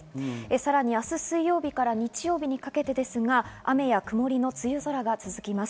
さらに明日水曜日から日曜日にかけてですが雨や曇りの梅雨空が続きます。